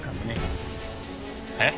えっ？